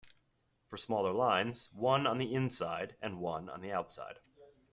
For smaller lines, one on the inside and one on the outside.